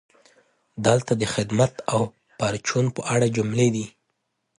دلته د "خدمت او پرچون" په اړه جملې دي: